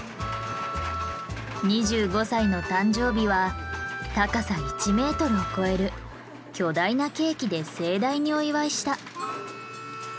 ２５歳の誕生日は高さ１ｍを超える巨大なケーキで盛大にお祝いした。